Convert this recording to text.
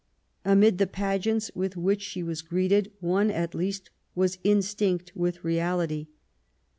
Amid the pageants with which she was greeted, one at least was instinct with reality.